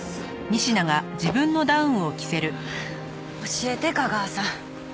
教えて架川さん。